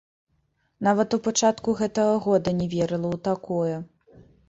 Нават у пачатку гэтага года не верыла ў такое.